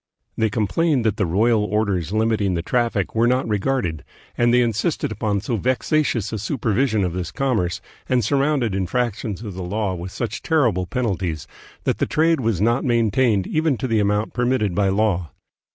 They complained that the royal orders limiting the traffic were not regarded, and they insisted upon so 222 THE PHILIPPINES. vexatious a supervision of this commerce, and surrounded infractions of the law with such terrible penalties, that the trade was not maintained even to the amount per mitted by law.